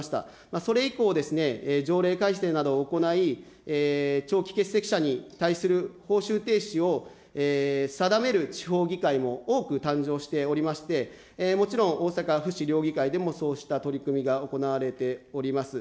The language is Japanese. それ以降、条例改正などを行い、長期欠席者に対する報酬停止を定める地方議会も多く誕生しておりまして、もちろん大阪府市両議会でもそうした取り組みが行われております。